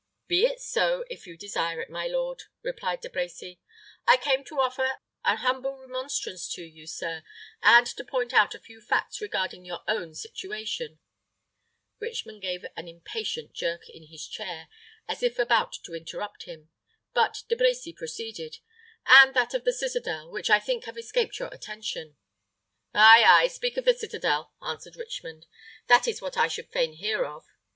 "Be it so, if you desire it, my lord," replied De Brecy. "I came to offer an humble remonstrance to you, sir, and to point out a few facts regarding your own situation" Richmond gave an impatient jerk in his chair, as if about to interrupt him; but De Brecy proceeded "and that of the citadel, which I think have escaped your attention." "Ay, ay; speak of the citadel," answered Richmond. "That is what I would fain hear of."